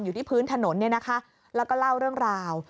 อยู่ที่พื้นถนนเนี่ยนะคะแล้วก็เล่าเรื่องราว